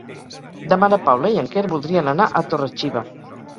Demà na Paula i en Quer voldrien anar a Torre-xiva.